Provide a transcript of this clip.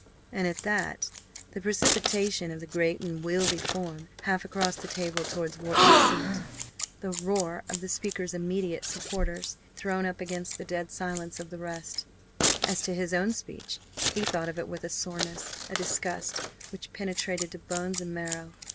And at that, the precipitation of the great unwieldy form half across the table towards Wharton's seat the roar of the speaker's immediate supporters thrown up against the dead silence of the rest! As to his own speech he thought of it with a soreness, a disgust which penetrated to bones and marrow.